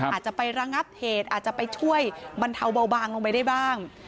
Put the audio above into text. อาจจะไประงับเหตุอาจจะไปช่วยบรรเทาเบาบางลงไปได้บ้าง